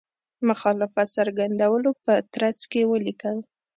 مخالفت څرګندولو په ترڅ کې ولیکل.